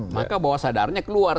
maka bahwa sadarnya keluar